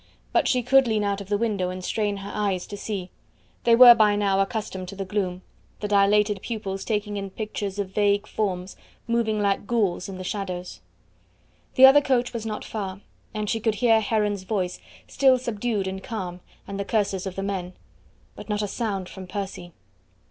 But she could lean out of the window and strain her eyes to see. They were by now accustomed to the gloom, the dilated pupils taking in pictures of vague forms moving like ghouls in the shadows. The other coach was not far, and she could hear Heron's voice, still subdued and calm, and the curses of the men. But not a sound from Percy.